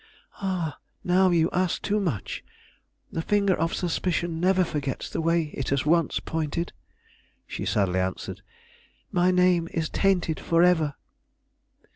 "Ah; now you ask too much! The finger of suspicion never forgets the way it has once pointed," she sadly answered. "My name is tainted forever."